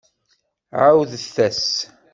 Ԑawdet-as!